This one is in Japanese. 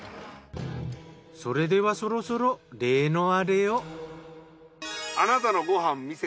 それではそろそろ例のアレを。